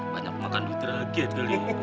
banyak makan duit rakyat kali ya